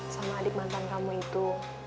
sama adik mantan kamu itu